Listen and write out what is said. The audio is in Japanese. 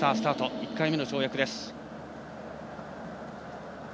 １回目の跳躍です。